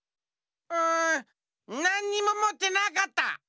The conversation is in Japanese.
うんなんにももってなかった！